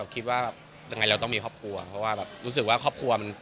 กังวลไหมพี่บอยอายุมันเพิ่มขึ้นด้วย